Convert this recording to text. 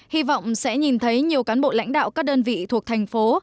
hy vọng sẽ nhìn thấy nhiều cán bộ lãnh đạo các đơn vị thuộc thành phố